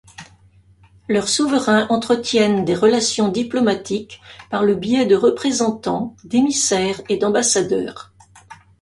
Leurs souverains entretiennent des relations diplomatiques par le biais de représentants, d'émissaires et d'ambassadeurs.